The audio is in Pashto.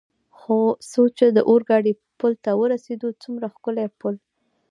څو چې د اورګاډي پل ته ورسېدو، څومره ښکلی پل.